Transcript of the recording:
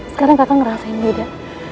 sekarang kakak ngerasain juga